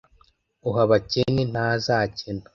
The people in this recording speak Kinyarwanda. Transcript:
uha abakene ntazakena,